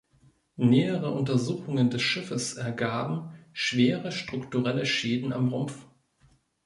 Nähere Untersuchungen des Schiffes ergaben schwere strukturelle Schäden am Rumpf.